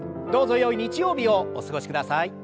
どうぞよい日曜日をお過ごしください。